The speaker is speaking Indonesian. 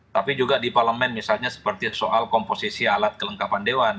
tapi juga di parlemen misalnya seperti soal komposisi alat kelengkapan dewan